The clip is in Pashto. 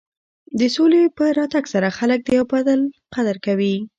د سولې په راتګ سره خلک د یو بل قدر کوي.